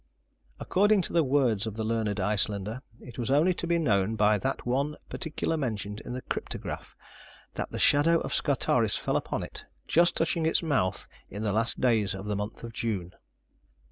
According to the words of the learned Icelander, it was only to be known by that one particular mentioned in the cryptograph, that the shadow of Scartaris fell upon it, just touching its mouth in the last days of the month of June.